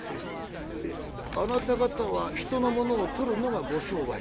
「ええあなた方は人のものをとるのがご商売。